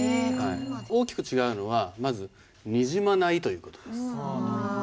大きく違うのはまずにじまないという事です。